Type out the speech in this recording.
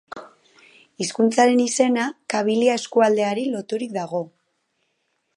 Hizkuntzaren izena Kabilia eskualdeari loturik dago.